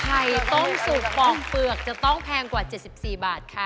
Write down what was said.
ไข่ต้มสุกปองเปลือกจะต้องแพงกว่า๗๔บาทค่ะ